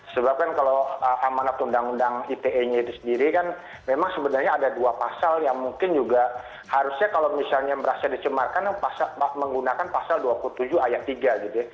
sebab kan kalau amanat undang undang ite nya itu sendiri kan memang sebenarnya ada dua pasal yang mungkin juga harusnya kalau misalnya merasa dicemarkan menggunakan pasal dua puluh tujuh ayat tiga gitu ya